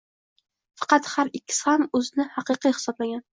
faqat har ikkisi ham o'zini haqiqiy hisoblagan